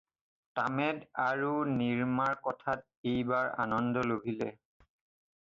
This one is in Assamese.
তামেদ আৰু নিৰমাৰ কথাত এইবাৰ আনন্দ লভিলে।